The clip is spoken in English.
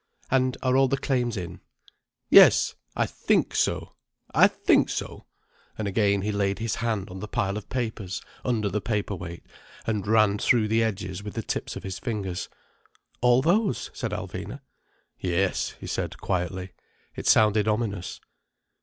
"And are all the claims in?" "Yes. I think so. I think so!" And again he laid his hand on the pile of papers under the paper weight, and ran through the edges with the tips of his fingers. "All those?" said Alvina. "Yes," he said quietly. It sounded ominous.